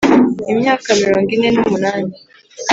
Imyaka mirongo ine n umunani